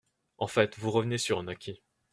En fait, vous revenez sur un acquis.